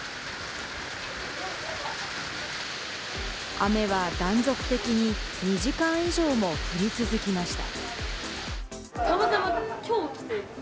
雨は断続的に２時間以上も降り続きました。